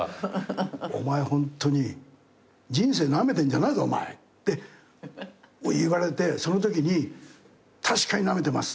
「お前ホントに人生なめてんじゃないぞお前」って言われてそのときに確かになめてます。